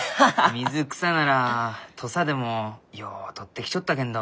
水草なら土佐でもよう採ってきちょったけんど。